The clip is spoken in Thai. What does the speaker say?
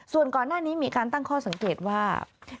ส่วนก่อนหน้านี้มีการตั้งข้อสังเกตว่า